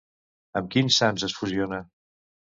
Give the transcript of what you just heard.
Amb quins sants es fusiona?